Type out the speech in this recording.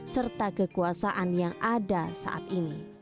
serta kekuasaan yang ada saat ini